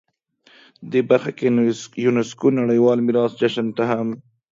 دې برخه کې یونسکو نړیوال میراث جشن ته هم